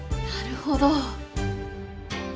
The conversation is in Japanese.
なるほど。